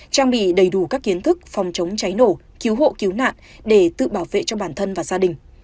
trang bị đầy đủ các kiến thức phòng chống cháy nổ cứu hộ cứu nạn để tự bảo vệ cho bản thân và gia đình